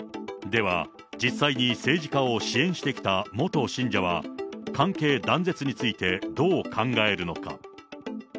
では、実際に政治家を支援してきた元信者は、関係断絶についてどう考えるのか。